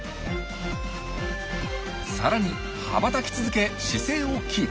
さらに羽ばたき続け姿勢をキープ。